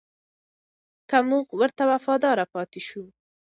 که موږ ورته وفادار پاتې شو.